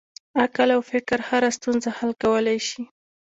عقل او فکر هره ستونزه حل کولی شي.